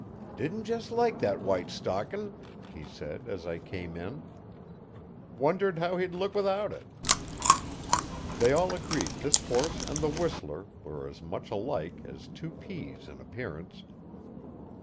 'Didn't jes' like that white stockin',' he said, as I came in. 'Wondered how he'd look without it.' They all agreed this horse and the whistler were as much alike as two peas in appearance.